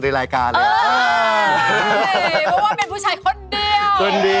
ในรายการจริงอะ